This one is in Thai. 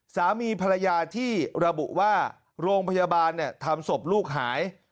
สามีภรรยาที่ระบุว่าโรงพยาบาลทำศพลูกหาย